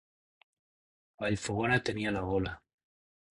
A Vallfogona tenia la gola.